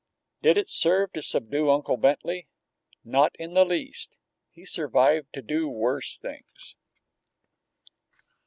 Did it serve to subdue Uncle Bentley? Not in the least; he survived to do worse things.